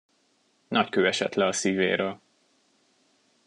Nagy kő esett le a szívéről.